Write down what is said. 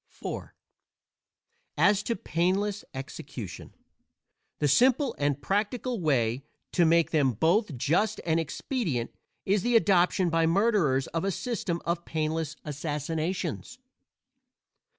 IV As to painless execution, the simple and practical way to make them both just and expedient is the adoption by murderers of a system of painless assassinations.